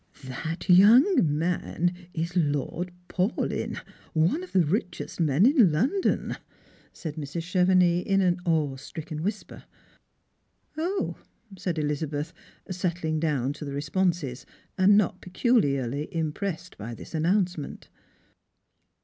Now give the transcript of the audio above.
"'" That young man is Lord Paulyn, one of the richest men in London," said Mrs. Chevenix, in an awe stricken whisijei*. " O," said Elizabeth settling down to the responses, and not peculiarly impressed by this announcement.